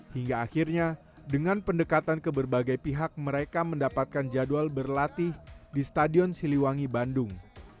hingga akhirnya dengan pendekatan ke berbagai pihak mereka mendapatkan jadwal berlatih di stadion siliwangi bandung